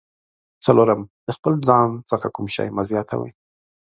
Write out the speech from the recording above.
څلورم: د خپل ځان څخه کوم شی مه زیاتوئ.